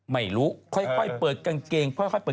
ไม่รู้ค่อยเปิดกางเกง